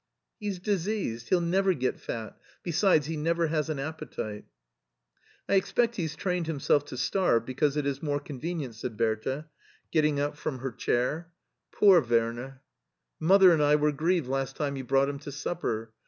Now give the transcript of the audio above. "He's diseased. He'll never get fat — besides, he never has an appetite." " I expect he's trained himself to starve because it is more convenient," said Bertha, getting up from her 14 MARTIN SCHIJLER chair. "Poor Werner! Mother and I were grieved last time you brought him to supper.